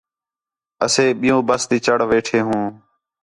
اسے بِیوں بس تی چڑھ ویٹھے ہوں